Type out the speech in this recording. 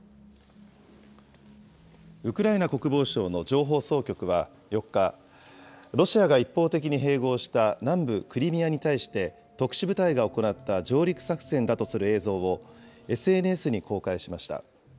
ウクライナ国防省の情報総局は４日、ロシアが一方的に併合した南部クリミアに対して特殊部隊が行った上陸作戦だとする映像を、ＳＮＳに公開しました。